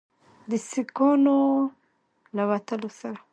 د سیکانو له وتلو سره